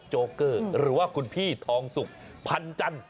หรือว่าคุณพี่ทองสุขพันจันทร์